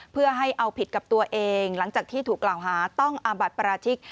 เพื่อให้เอาผิดกับตัวเองหลังจากที่ถูกกล่าวหาต้องอาบัติปราชิก